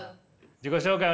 自己紹介